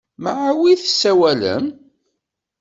Mɛa wi tessawalem?